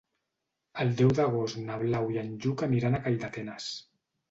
El deu d'agost na Blau i en Lluc aniran a Calldetenes.